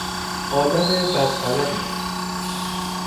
آدم بدقلقی است.